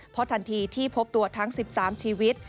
เพราะทันทีที่พบตัวทั้ง๑๓ชีวิต